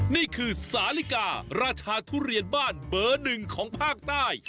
นี่คือสาลิการาชาทุเรียนบ้านเบอร์หนึ่งของภาคใต้